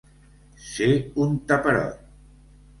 Ser un taperot.